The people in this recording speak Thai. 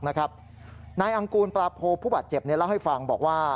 นายอังกูลปลาโพผู้บาดเจ็บเล่าให้ฟังบอกว่า